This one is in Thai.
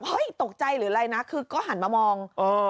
ตกใจหรืออะไรนะคือก็หันมามอง